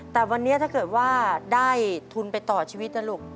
แต่วันนี้ถ้าเกิดว่าได้ทุนไปต่อชีวิตนะลูก